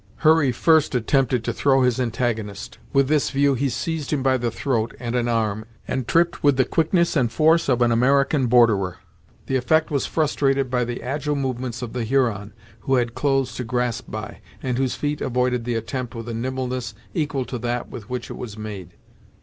Hurry first attempted to throw his antagonist. With this view he seized him by the throat, and an arm, and tripped with the quickness and force of an American borderer. The effect was frustrated by the agile movements of the Huron, who had clothes to grasp by, and whose feet avoided the attempt with a nimbleness equal to that with which it was made.